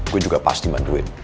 gue juga pasti bantuin